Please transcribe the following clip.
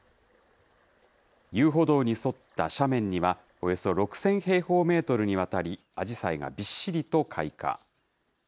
遊歩道に沿った斜面には、およそ６０００平方メートルにわたり、アジサイがびっしりと開花。